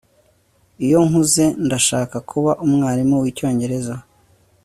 Iyo nkuze ndashaka kuba umwarimu wicyongereza